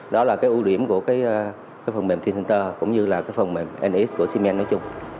đó là ưu điểm của phần mềm t center cũng như phần mềm nx của siemens nói chung